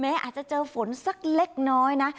อาจจะเจอฝนสักเล็กน้อยนะ